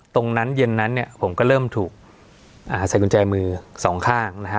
เย็นนั้นเนี่ยผมก็เริ่มถูกใส่กุญแจมือสองข้างนะฮะ